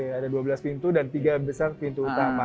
ada dua belas pintu dan tiga besar pintu utama